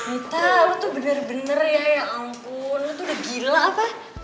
itu tuh bener bener ya ya ampun lu tuh udah gila apa